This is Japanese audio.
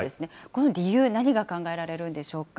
この理由、何が考えられるんでしょうか。